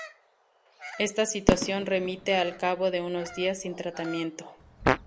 Esta situación remite al cabo de unos días sin tratamiento.